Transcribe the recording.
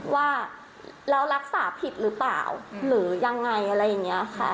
ว่ารักษาผิดรึเปล่ายังไงอะไรอย่างนี้ค่ะ